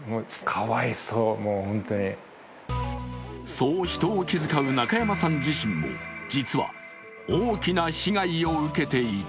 そう人を気遣う中山さん自身も実は大きな被害を受けていた。